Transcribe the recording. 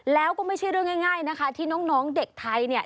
แล้วก็ไม่ใช่เรื่องง่ายนะคะที่น้องเด็กไทยเนี่ย